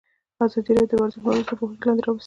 ازادي راډیو د ورزش موضوع تر پوښښ لاندې راوستې.